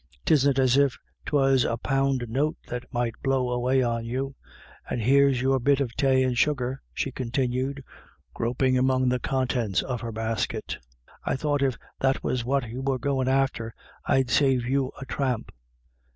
'Tisn't as if 'twas a poun' note that might blow away on you. And here's your bit of tay and sugar," she continued, groping among the contents of her basket. " I thought if that was what you were goin' after, I'd save you a tramp."